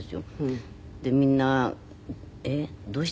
でみんな「えっどうして？」